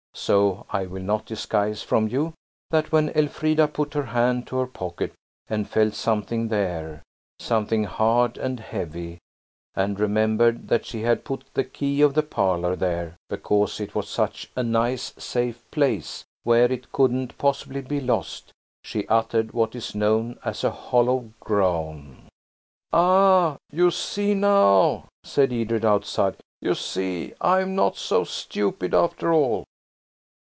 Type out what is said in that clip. So I will not disguise from you that when Elfrida put her hand to her pocket and felt something there–something hard and heavy–and remembered that she had put the key of the parlour there because it was such a nice safe place, where it couldn't possibly be lost, she uttered what is known as a hollow groan. "Aha! you see now," said Edred outside. "You see I'm not so stupid after all."